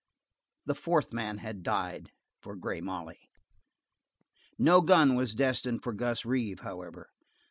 The fourth man had died for Grey Molly. No gun was destined for Gus Reeve, however.